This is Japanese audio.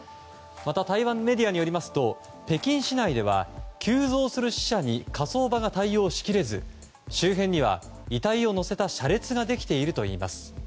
また、台湾メディアによりますと北京市内では急増する死者に火葬場が対応し切れず周辺には遺体を乗せた車列ができているといいます。